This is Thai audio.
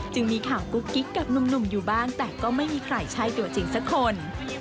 มีข่าวกุ๊กกิ๊กกับหนุ่มอยู่บ้างแต่ก็ไม่มีใครใช่ตัวจริงสักคน